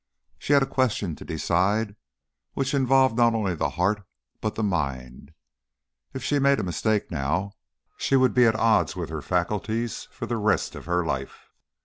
She had a question to decide which involved not only the heart but the mind: if she made a mistake now, she would be at odds with her higher faculties for the rest of her life.